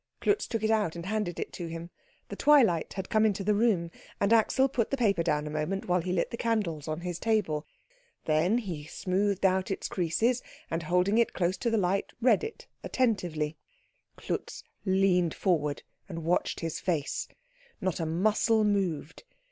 Klutz took it out and handed it to him. The twilight had come into the room, and Axel put the paper down a moment while he lit the candles on his table. Then he smoothed out its creases, and holding it close to the light read it attentively. Klutz leaned forward and watched his face. Not a muscle moved.